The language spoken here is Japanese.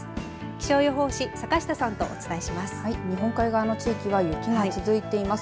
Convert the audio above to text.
気象予報士坂田さんとお伝えします。